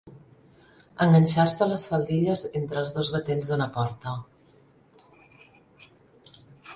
Enganxar-se les faldilles entre els dos batents d'una porta.